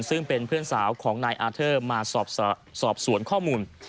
ซึ่งเป็นเพื่อนสาวของนายอาเทอร์มาสอบสวนข้อมูล